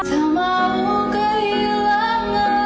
tak mau kehilangan